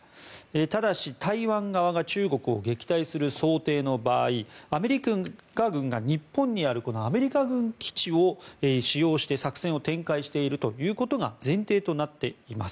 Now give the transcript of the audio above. ただし、台湾側が中国を撃退する想定の場合アメリカ軍が日本にあるアメリカ軍基地を使用して作戦を展開していることが前提となっています。